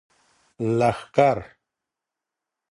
لښکر